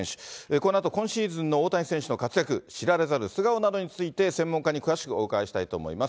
このあと今シーズンの大谷選手の活躍、知られざる素顔などについて、専門家に詳しくお伺いしたいと思います。